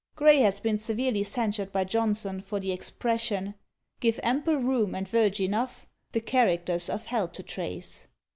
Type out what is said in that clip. _ Gray has been severely censured by Johnson for the expression, Give ample room and verge enough, The characters of hell to trace.